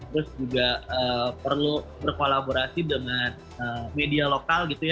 terus juga perlu berkolaborasi dengan media lokal gitu ya